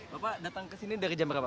bapak datang ke sini dari jam berapa